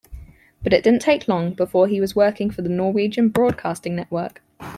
But it didn't take long before he was working for the Norwegian broadcasting network.